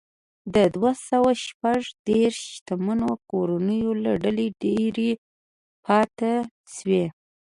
د دوه سوه شپږ دېرش شتمنو کورنیو له ډلې ډېرې پاتې شوې.